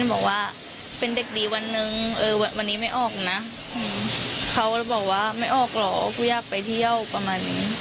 บอกว่าเป็นเด็กดีวันหนึ่งวันนี้ไม่ออกนะเขาเลยบอกว่าไม่ออกหรอกกูอยากไปเที่ยวประมาณนี้